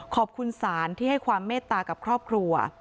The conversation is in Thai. ขอบคุณศาลที่ให้ความเมตตากับครอบครัว